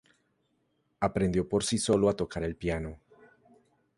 Aprendió por sí solo a tocar el piano.